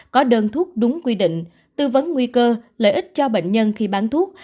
có đơn thuốc đúng quy định tư vấn nguy cơ lợi ích cho bệnh nhân khi bán thuốc